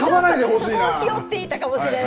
気負っていたかもしれない。